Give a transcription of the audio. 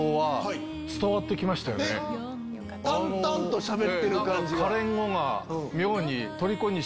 淡々としゃべってる感じが。